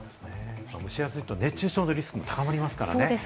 蒸し暑いと熱中症のリスクも高まりますからね。